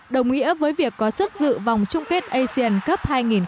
đồng nghĩa với việc có xuất dự vòng chung kết asian cup hai nghìn hai mươi ba